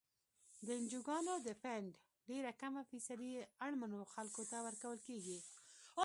د انجوګانو د فنډ ډیره کمه فیصدي اړمنو خلکو ته ورکول کیږي.